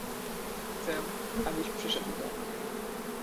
— Chcę, abyś przyszedł do mnie.